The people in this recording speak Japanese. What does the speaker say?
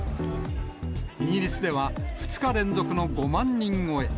イギリスでは２日連続の５万人超え。